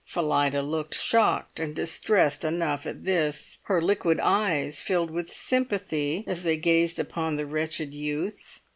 Phillida looked shocked and distressed enough at this; her liquid eyes filled with sympathy as they gazed upon the wretched youth.